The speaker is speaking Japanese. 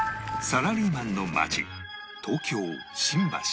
サラリーマンの街東京新橋